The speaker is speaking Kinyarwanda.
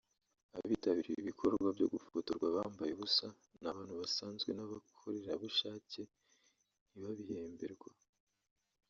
Abitabira ibi bikorwa byo gufotorwa bambaye ubusa ni abantu basanzwe b’abakorerabushake (ntibabihemberwa)